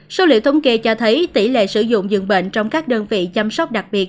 số liệu thống kê cho thấy tỷ lệ sử dụng dường bệnh trong các đơn vị chăm sóc đặc biệt